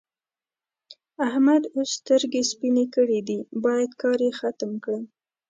احمد اوس سترګې سپينې کړې دي؛ بايد کار يې ختم کړم.